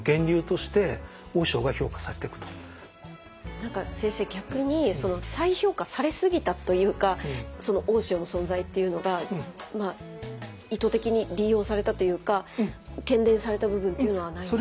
何か先生逆に再評価されすぎたというか大塩の存在っていうのが意図的に利用されたというか喧伝された部分っていうのはないんですか？